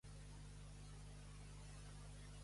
Com va ressuscitar Nemti?